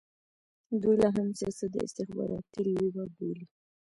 دوی لا هم سیاست د استخباراتي لوبه بولي.